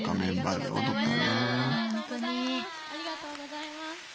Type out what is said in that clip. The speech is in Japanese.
ありがとうございます！